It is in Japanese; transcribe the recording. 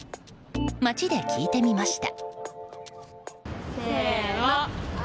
街で聞いてみました。